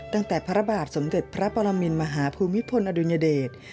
ตั้งแต่พระบาทสมเด็จพระปรมินมหาภูมิพลอดุญเดช